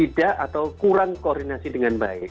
tidak atau kurang koordinasi dengan baik